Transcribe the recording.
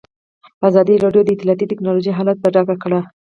ازادي راډیو د اطلاعاتی تکنالوژي حالت په ډاګه کړی.